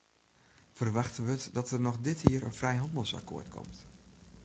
Ferwachte wurdt dat der noch dit jier in frijhannelsakkoart komt.